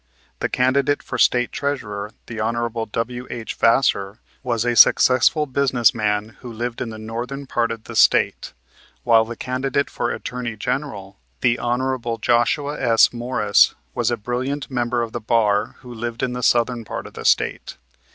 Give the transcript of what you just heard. The candidate for State Treasurer, Hon. W.H. Vasser, was a successful business man who lived in the northern part of the State, while the candidate for Attorney General, Hon. Joshua S. Morris, was a brilliant member of the bar who lived in the southern part of the State.